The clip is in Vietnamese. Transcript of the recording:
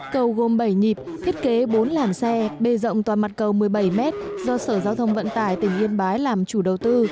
cầu gồm bảy nhịp thiết kế bốn làn xe bề rộng toàn mặt cầu một mươi bảy m do sở giao thông vận tải tỉnh yên bái làm chủ đầu tư